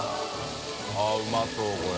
△うまそうこれ。